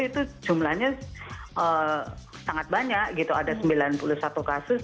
itu jumlahnya sangat banyak gitu ada sembilan puluh satu kasus